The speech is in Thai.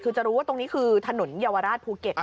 คือจะรู้ว่าถนนยาวราชภูเก็ตนะ